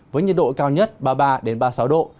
với nhiệt độ cao nhất ba mươi ba ba mươi sáu độ